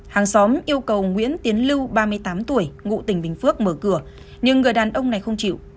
hàng xóm yêu cầu nguyễn tiến lưu ba mươi tám tuổi ngụ tỉnh bình phước mở cửa nhưng người đàn ông này không chịu